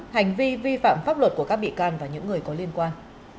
hành vi vi phạm pháp luật của các bị can và những người có liên quan